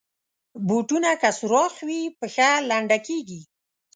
بوټونه که سوراخ وي، پښه لنده کېږي.